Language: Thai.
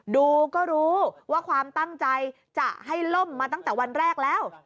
ดูก็รู้ว่าความตั้งใจจะให้ล่มมาตั้งแต่วันแรกแล้ว